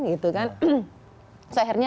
gitu kan so akhirnya